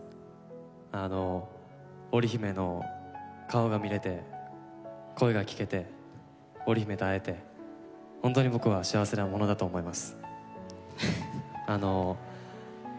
あの織姫の顔が見れて声が聞けて織姫と会えてホントに僕は幸せな者だと思います。